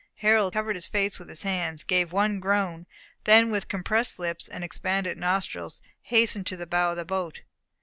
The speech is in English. Harold covered his face with his hands, gave one groan, then with compressed lips and expanded nostrils hastened to the bow of the boat.